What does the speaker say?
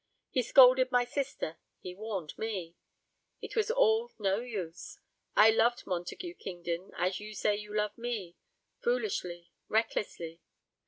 He scolded my sister, he warned me. It was all no use. I loved Montague Kingdon as you say you love me foolishly, recklessly.